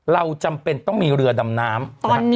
เราจำเป็นต้องมีเรือดำน้ำ